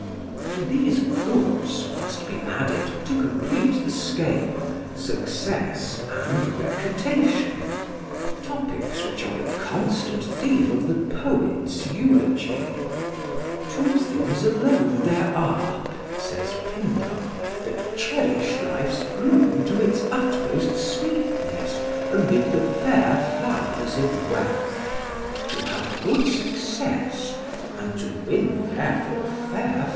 To these Goods must be added, to complete the scale, success and reputation, topics which are the constant theme of the poets' eulogy. "Two things alone there are," says Pindar, "that cherish life's bloom to its utmost sweetness amidst the fair flowers of wealth to have good success and to win therefore fair fame;" [Footnote: Pind.